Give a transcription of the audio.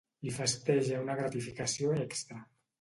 Li festeja una gratificació extra.